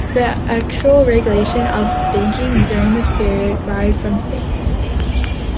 The actual regulation of banking during this period varied from state to state.